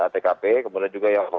tkp kemudian juga yang